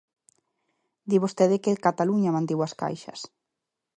Di vostede que Cataluña mantivo as caixas.